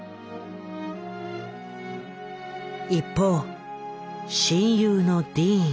一方親友のディーン。